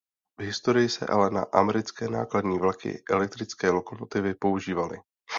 V historii se ale na americké nákladní vlaky elektrické lokomotivy používaly.